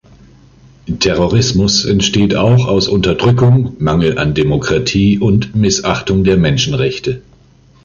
Terrorismus entsteht auch aus Unterdrückung, Mangel an Demokratie und Missachtung der Menschenrechte.